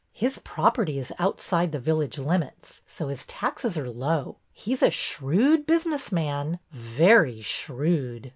His property is outside the village limits, so his taxes are low. He 's a shrewd business man, very shrewd."